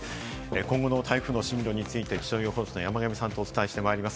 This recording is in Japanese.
今後の台風の進路について、気象予報士の山神さんとお伝えしてまいります。